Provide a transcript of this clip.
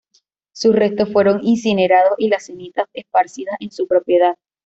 Sus restos fueron incinerados y las cenizas esparcidas en su propiedad.